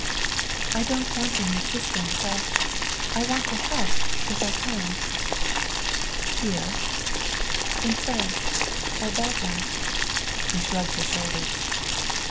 "I don't want any assistance. I I want to help, if I can." "Here?" "In France. Or Belgium." He shrugged his shoulders.